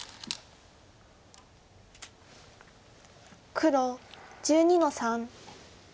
黒１２の三。